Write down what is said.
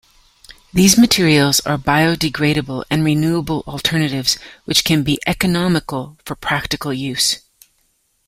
These materials are biodegradable and renewable alternatives, which can be economical for practical use.